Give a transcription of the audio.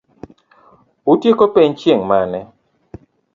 Utieko penj chieng' mane?